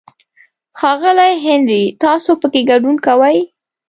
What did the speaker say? ښاغلی هنري، تاسو پکې ګډون کوئ؟